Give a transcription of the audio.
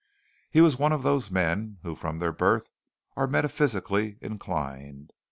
He was one of those men who from their birth are metaphysically inclined.